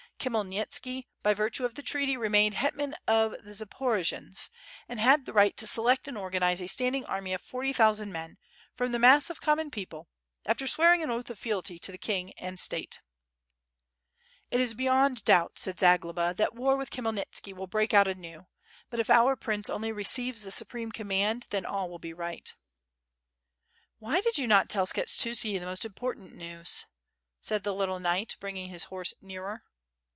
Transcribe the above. Khmyelnitski, by virtue of the treaty, remained Hetman of the Zaporojians and had the right to select and organize a standing army of forty thousand men, from the mass of common people, after swearing an oath of fealty to the king and State. 8io WITH FIRE AND SWORD. *^It is beyond doubt/' said Zagloba, "that war with Khmy elnitski will break out anew, but if our prince only receives the supreme command, then all will be right. ..." "Why do you not tell Skshetuski the most important news?" said the little knight, bringing his horse nearer.